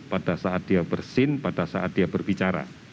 pada saat dia bersin pada saat dia berbicara